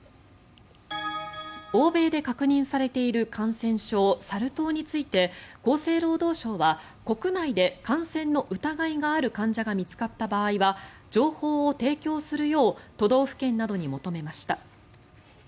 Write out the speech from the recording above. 欧米で確認されている感染症サル痘について厚生労働省は国内で感染の疑いがある患者が見つかった場合は情報を提供するよう都道府県などに求めました。